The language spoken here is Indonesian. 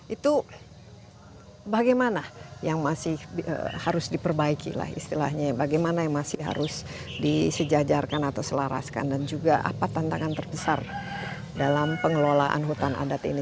itu bagaimana yang masih harus diperbaiki lah istilahnya ya bagaimana yang masih harus disejajarkan atau selaraskan dan juga apa tantangan terbesar dalam pengelolaan hutan adat ini